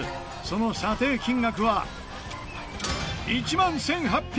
その査定金額は１万１８００円！